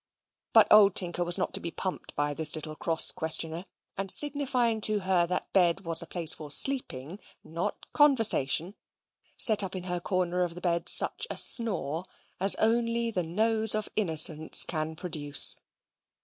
But old Tinker was not to be pumped by this little cross questioner; and signifying to her that bed was a place for sleeping, not conversation, set up in her corner of the bed such a snore as only the nose of innocence can produce.